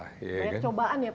banyak cobaan ya pak